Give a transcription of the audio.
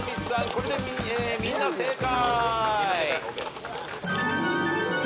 これでみんな正解。